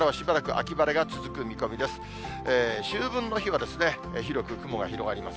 秋分の日は広く雲が広がります。